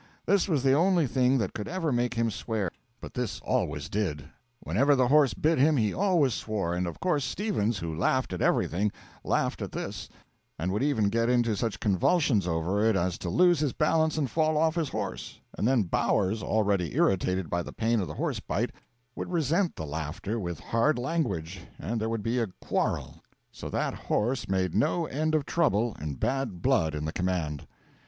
This was the only thing that could ever make him swear, but this always did; whenever the horse bit him he always swore, and of course Stevens, who laughed at everything, laughed at this, and would even get into such convulsions over it as to lose his balance and fall off his horse; and then Bowers, already irritated by the pain of the horse bite, would resent the laughter with hard language, and there would be a quarrel; so that horse made no end of trouble and bad blood in the command.